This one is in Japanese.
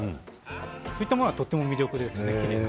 そういったものがとても魅力です。